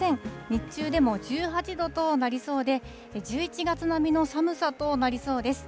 日中でも１８度となりそうで、１１月並みの寒さとなりそうです。